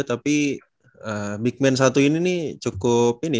tapi big man satu ini cukup ini